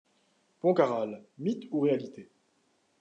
Pontcarral : mythe ou réalité ?